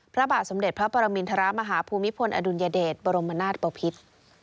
พระบาทสมเด็จพระปรมินทรมาฮภูมิพลอดุลยเดชบรมนาศปภิษ